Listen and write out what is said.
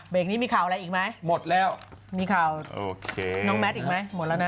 เบรกนี้มีข่าวอะไรอีกไหมมีข่าวน้องแมทอีกไหมหมดแล้วนะ